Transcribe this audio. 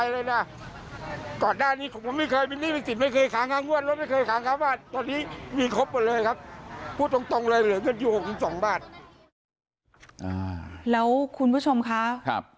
แล้วคุณผู้ชมคะ